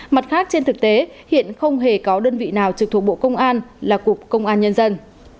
mặt khác trên thực tế hiện không hề có đơn vị nào trực thuộc bộ công an là cục công an nhân dân